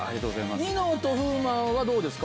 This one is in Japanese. ニノと風磨はどうですか？